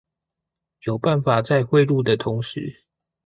有辦法在匯入的同時